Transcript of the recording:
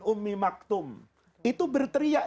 ummi maktum itu berteriak